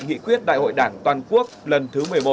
nghị quyết đại hội đảng toàn quốc lần thứ một mươi một